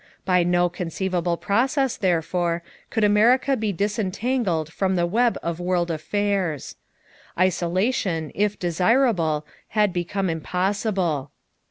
By no conceivable process, therefore, could America be disentangled from the web of world affairs. Isolation, if desirable, had become impossible.